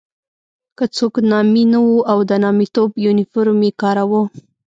که څوک نامي نه وو او د نامیتوب یونیفورم یې کاراوه.